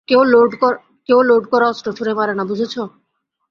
কেউ লোড করা অস্ত্র ছুঁড়ে মারে না, বুঝেছো?